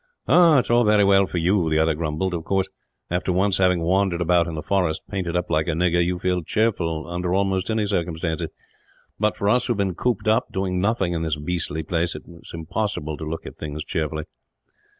"Ah, it is all very well for you," the other grumbled. "Of course, after once having wandered about in the forest, painted up like a nigger, you feel cheerful under almost any circumstances; but for us who have been cooped up, doing nothing, in this beastly place, it is impossible to look at things cheerfully."